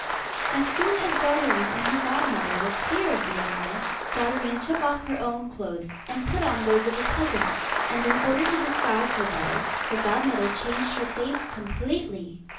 As soon as Dotterine and her godmother were clear of the enemy, Dotterine took off her own clothes, and put on those of a peasant, and in order to disguise her better her godmother changed her face completely.